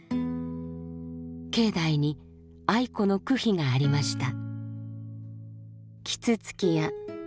境内に愛子の句碑がありました。